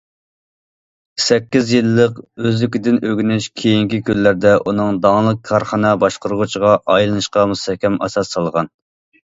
سەككىز يىللىق ئۆزلۈكىدىن ئۆگىنىش كېيىنكى كۈنلەردە ئۇنىڭ داڭلىق كارخانا باشقۇرغۇچىغا ئايلىنىشىغا مۇستەھكەم ئاساس سالغان.